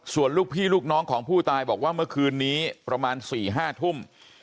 ส่วนลูกพี่ลูกน้องของผู้ตายบอกว่าเมื่อคืนนี้ประมาณ๔๕ทุ่ม